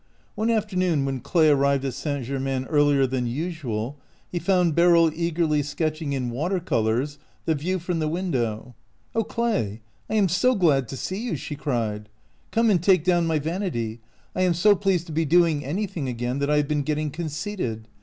One afternoon when Clay arrived at St. Germain earlier than usual, he found Beryl eagerly sketching in water colors the view from the window. " O Clay, I am so |lad to see you! " she cried. "Come and take down my vanity. I am so pleased to be doing anything again that I have been getting conceited.